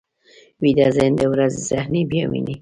ویده ذهن د ورځې صحنې بیا ویني